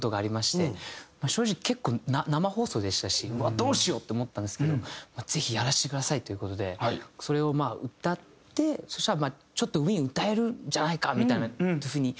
正直結構生放送でしたしうわっどうしようって思ったんですけど「ぜひやらせてください」という事でそれを歌ってそしたら「ちょっとウィン歌えるんじゃないか」みたいな風に。